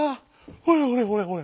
ほれほれほれほれ。